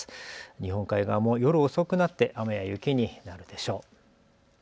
日本海側も夜遅くなって雨や雪になるでしょう。